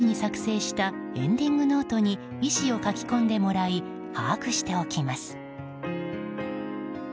独自に作成したエンディングノートに意思を書き込んでもらい把握しておきます。